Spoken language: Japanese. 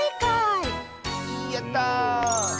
やった！